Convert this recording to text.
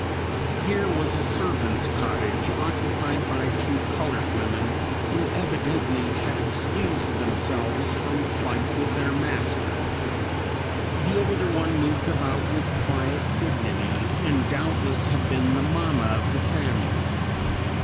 Here was a servant's cottage occupied by two colored women who evidently had excused themselves from flight with their master. The older one moved about with quiet dignity and doubtless had been the "mamma" of the family.